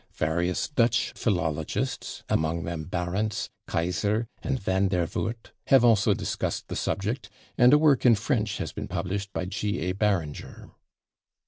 Various Dutch philologists, among them Barentz, Keijzer and Van der Voort, have also discussed the subject, and a work in French has been published by G. A. Barringer.